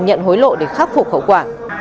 nhận hối lộ để khắc phục khẩu quả